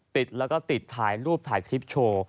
ติดแล้วก็ติดถ่ายรูปถ่ายคลิปโชว์